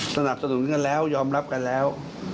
สนับสนุนกันแล้วยอมรับกันแล้ว